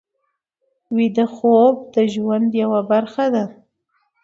ویده خوب د ژوند یوه برخه ده